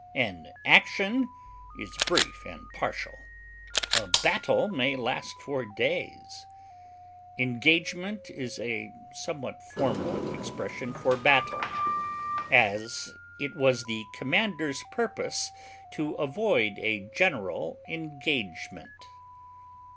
An action is brief and partial; a battle may last for days. Engagement is a somewhat formal expression for battle; as, it was the commander's purpose to avoid a general engagement.